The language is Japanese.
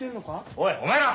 おいお前ら！